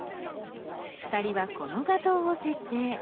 ２人はこの画像を設定。